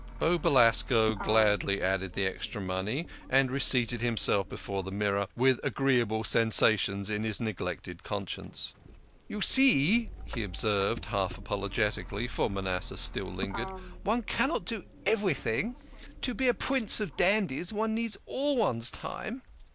Beau Belasco gladly added the extra money, and reseated himself before the mirror, with agreeable sensations in his neglected conscience. "You see," he observed, half apolo getically, for Manasseh still lingered, " one cannot do every thing. To be a prince of dandies, one needs all one's time."